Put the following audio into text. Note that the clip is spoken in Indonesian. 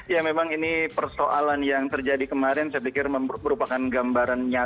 ya memang ini persoalan yang terjadi kemarin saya pikir merupakan gambaran nyata